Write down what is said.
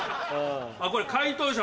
これ解答者